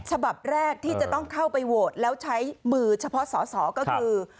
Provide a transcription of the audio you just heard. ฉบับแรกที่จะต้องเข้าไปโหวตแล้วใช้มือเฉพาะสอสอก็คือ